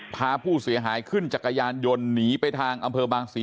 พาผู้เสียหายขึ้นจักรยานยนต์หนีไปทางอำเภอบางศรี